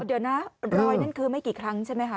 เดี๋ยวนะรอยนั่นคือไม่กี่ครั้งใช่ไหมคะ